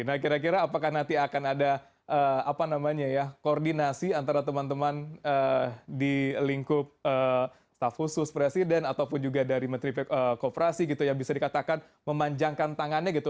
nah kira kira apakah nanti akan ada apa namanya ya koordinasi antara teman teman di lingkup staff khusus presiden ataupun juga dari menteri kooperasi gitu ya bisa dikatakan memanjangkan tangannya gitu